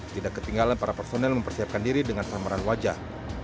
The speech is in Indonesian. tidak ketinggalan para personel mempersiapkan diri dengan samaran wajah